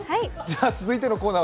続いてのコーナー